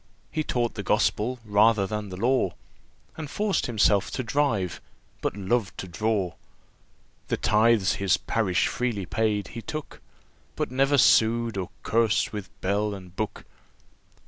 He taught the Gospel rather than the law, And forced himself to drive, but loved to draw. The tithes his parish freely paid, he took; But never sued, or curs'd with bell and book.